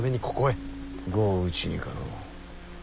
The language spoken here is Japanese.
碁を打ちにかの。